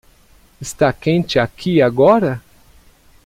Está quente aqui agora?